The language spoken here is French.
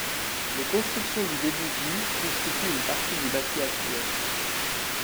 Les constructions du début du constituent une partie du bâti actuel.